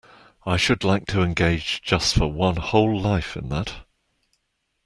I should like to engage just for one whole life in that.